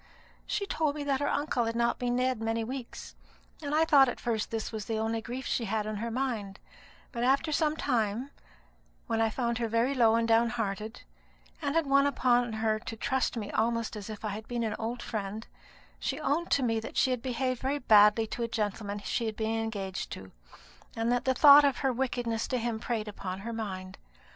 She told me that her uncle had not been dead many weeks, and I thought at first that this was the only grief she had on her mind; but after some time, when I found her very low and downhearted, and had won upon her to trust me almost as if I had been an old friend, she owned to me that she had behaved very badly to a gentleman she had been engaged to, and that the thought of her wickedness to him preyed upon her mind.